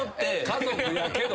家族やけど。